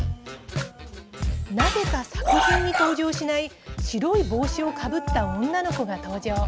なぜか作品に登場しない白い帽子をかぶった女の子が登場。